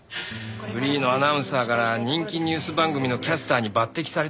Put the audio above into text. フリーのアナウンサーから人気ニュース番組のキャスターに抜擢されてさ。